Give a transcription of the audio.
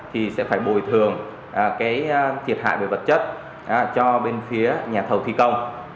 thì sẽ phải bồi thường cái thiệt hại về vật chất cho bên phía nhà thầu thi công